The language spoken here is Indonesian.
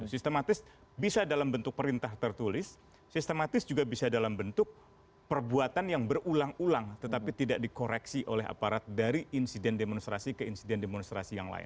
sistematis bisa dalam bentuk perintah tertulis sistematis juga bisa dalam bentuk perbuatan yang berulang ulang tetapi tidak dikoreksi oleh aparat dari insiden demonstrasi ke insiden demonstrasi yang lain